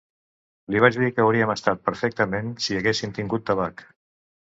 Li vaig dir que hauríem estat perfectament si haguéssim tingut tabac